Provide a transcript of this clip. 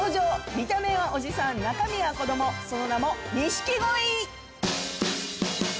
見た目はおじさん中身は子どもその名も錦鯉。